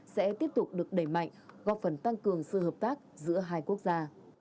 sẽ tiếp tục được đẩy mạnh góp phần tăng cường sự hợp tác giữa hai quốc gia